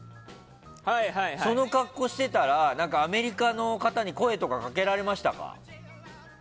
その格好してたらアメリカの方に声とかかけられましたか？